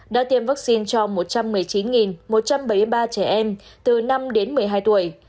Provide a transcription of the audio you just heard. đã tiêm vaccine cho một trăm một mươi chín một trăm bảy mươi ba trẻ em từ năm đến một mươi hai tuổi